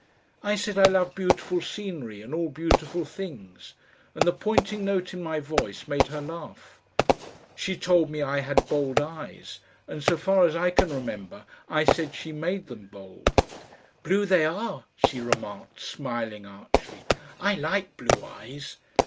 I said I loved beautiful scenery and all beautiful things, and the pointing note in my voice made her laugh. She told me I had bold eyes, and so far as I can remember I said she made them bold. "Blue they are," she remarked, smiling archly. "I like blue eyes."